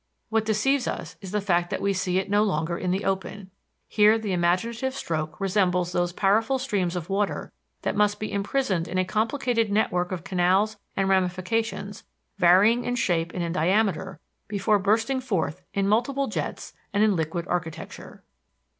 What deceives us is the fact that we see it no longer in the open. Here the imaginative stroke resembles those powerful streams of water that must be imprisoned in a complicated network of canals and ramifications varying in shape and in diameter before bursting forth in multiple jets and in liquid architecture.